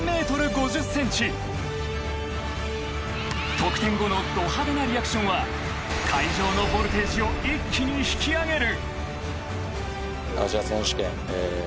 ［得点後のド派手なリアクションは会場のボルテージを一気に引き上げる！］